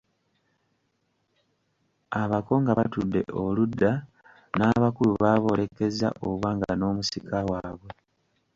Abako nga batudde oludda, n’abakulu baboolekezza obwanga n’omusika waabwe.